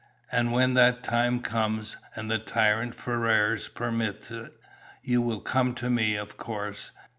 "And when that time comes, and the tyrant Ferrars permits it, you will come to me, of course."